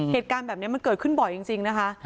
เหตุการณ์แบบนี้มันเกิดขึ้นบ่อยจริงนะคะ